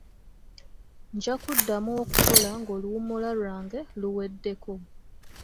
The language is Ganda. Nja kuddamu okukola ng'oluwummula lwange luweddeko.